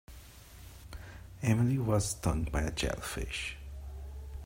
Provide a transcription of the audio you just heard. Emily was stung by a jellyfish.